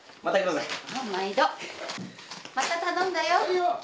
また頼んだよ。